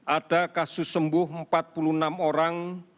ada kasus sembuh empat puluh enam orang